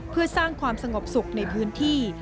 เพื่อสร้างความสงบสุขในพื้นที่